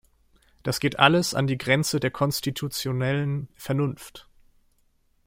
Das geht alles an die Grenze der konstitutionellen Vernunft.